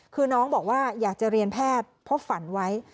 คือน้องบอกว่าอยากจะเรียนแพทย์เพราะฝันไว้